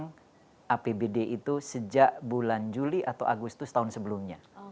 yang apbd itu sejak bulan juli atau agustus tahun sebelumnya